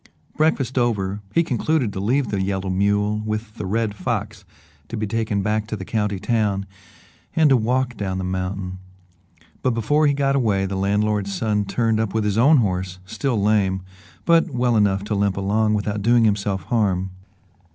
Breakfast over, he concluded to leave the yellow mule with the Red Fox to be taken back to the county town, and to walk down the mountain, but before he got away the landlord's son turned up with his own horse, still lame, but well enough to limp along without doing himself harm.